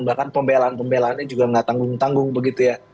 bahkan pembelaan pembelaannya juga nggak tanggung tanggung begitu ya